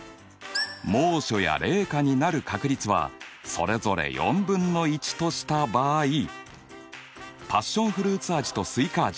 猛暑や冷夏になる確率はそれぞれ４分の１とした場合パッションフルーツ味とスイカ味